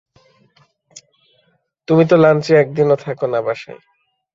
তুমি তো লাঞ্চে একদিনও থাকো না বাসায়।